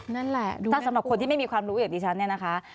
นั่นแหละโดยไม่ควรสำหรับคนที่ไม่มีความรู้เฉพาะเดี๋ยวนี้ดีชัน